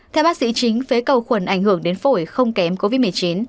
theo bác sĩ chính phế cầu khuẩn ảnh hưởng đến phổi không kém covid một mươi chín